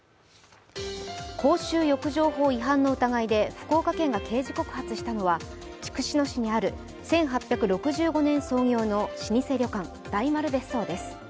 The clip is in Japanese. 公衆浴場法違反の疑いで福岡県が刑事告発したのは筑紫野市にある１８６５年創業の老舗旅館、大丸別荘です。